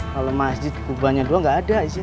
kalo masjid kubahnya dua nggak ada di sini